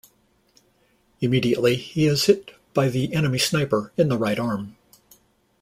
Immediately he is hit by the enemy sniper in the right arm.